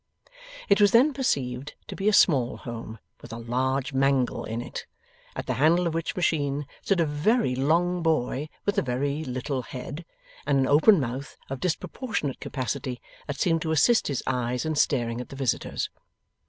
It was then perceived to be a small home with a large mangle in it, at the handle of which machine stood a very long boy, with a very little head, and an open mouth of disproportionate capacity that seemed to assist his eyes in staring at the visitors.